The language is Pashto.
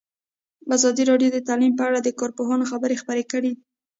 ازادي راډیو د تعلیم په اړه د کارپوهانو خبرې خپرې کړي.